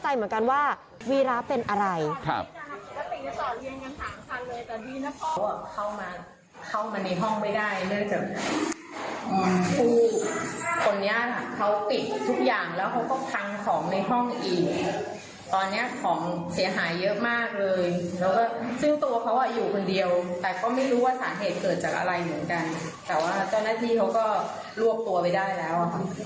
แต่ต้องหน้าที่เขาก็ลวกตัวไปได้แล้ว